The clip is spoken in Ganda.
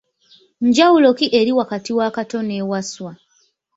Njawulo ki eri wakati wa Kato ne Wasswa?